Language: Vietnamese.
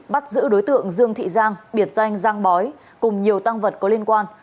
bắt giữ đối tượng dương thị giang biệt danh giang bói cùng nhiều tăng vật có liên quan